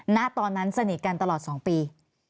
ณตอนนั้นสนิทกันตลอด๒ปี